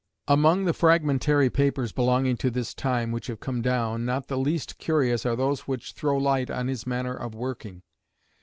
Among the fragmentary papers belonging to this time which have come down, not the least curious are those which throw light on his manner of working.